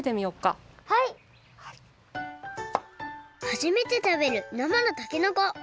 はじめてたべるなまのたけのこ。